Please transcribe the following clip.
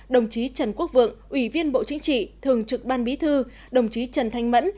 đồng chí trần quốc vượng ủy viên bộ chính trị thường trực ban bí thư đồng chí trần thanh mẫn